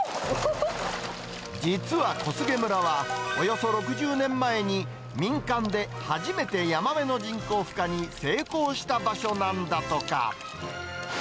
実は小菅村は、およそ６０年前に民間で初めてヤマメの人工ふ化に成功した場所なんだとか。